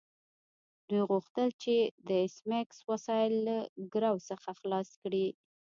دوی غوښتل چې د ایس میکس وسایل له ګرو څخه خلاص کړي